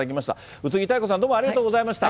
宇津木妙子さん、ありがとうございました。